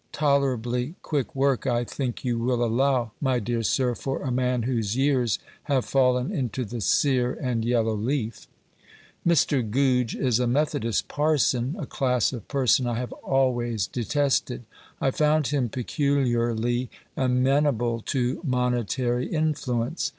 Tolerably quick work, I think you will allow, my dear sir, for a man whose years have fallen into the sere and yellow leaf. Mr. Goodge is a Methodist parson a class of person I have always detested. I found him peculiarly amenable to monetary influence.